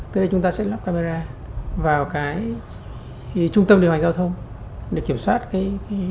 tới đây chúng ta sẽ lắp camera vào cái trung tâm điều hành giao thông để kiểm soát cái